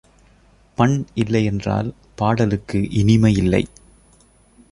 பண் இல்லை என்றால் பாடலுக்கு இனிமை இல்லை.